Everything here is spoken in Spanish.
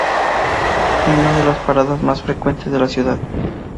Es una de las paradas más frecuentadas de la ciudad.